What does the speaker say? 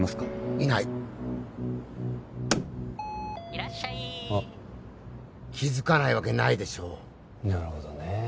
いないいらっしゃいあ気づかないわけないでしょうなるほどね